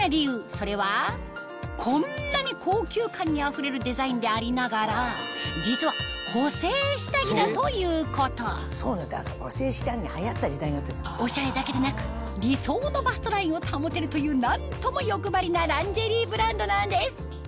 それはこんなに高級感にあふれるデザインでありながら実は補整下着だということおしゃれだけでなく理想のバストラインを保てるという何とも欲張りなランジェリーブランドなんです